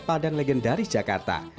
padang legendaris jakarta